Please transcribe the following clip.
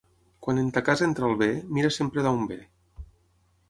Quan en ta casa entra el bé, mira sempre d'on ve.